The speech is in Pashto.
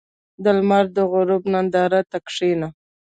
• د لمر د غروب نندارې ته کښېنه.